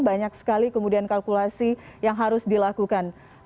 banyak sekali kemudian kalkulasi yang harus dilakukan